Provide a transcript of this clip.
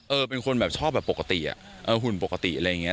เออเป็นคนแบบชอบแบบปกติหุ่นปกติอะไรอย่างนี้